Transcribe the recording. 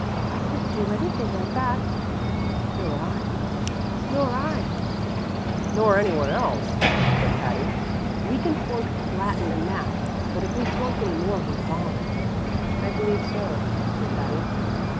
"I couldn't do anything like that." "Nor I." "Nor I." "Nor any one else," said Patty. "We can flunk Latin and math; but if we flunk any more we're gone." "I believe so," said Patty.